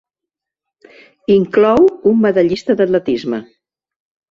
Inclou un medallista d'atletisme.